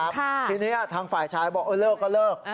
ทีนี้ทางฝ่ายชายบอกเออเลิกก็เลิก